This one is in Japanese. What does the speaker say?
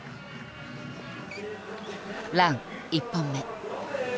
ラン１本目。